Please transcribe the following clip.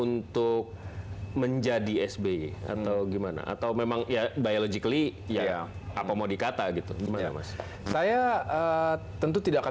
untuk menjadi sbi atau gimana atau memang biologi liya apa mau dikata gitu saya tentu tidak akan